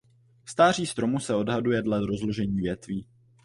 Stáří stromu se odhaduje dle rozložení větví.